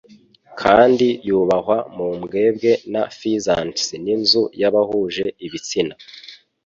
Kandi yubahwa mu mbwebwe na pheasants n'inzu y'abahuje ibitsina